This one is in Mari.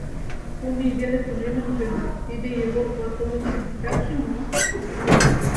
Кум ий веле тунемын гын, тиде Егор Платонычын титакше мо?